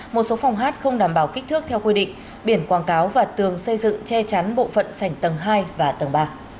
một số phòng hát không đảm bảo kích thước theo quy định biển quảng cáo và tường xây dựng che chắn bộ phận sảnh tầng hai và tầng ba